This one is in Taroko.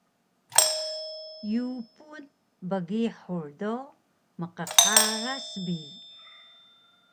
Yupun bgihur do mqqaras bi